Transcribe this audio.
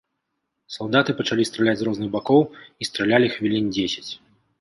Салдаты пачалі страляць з розных бакоў і стралялі хвілін дзесяць.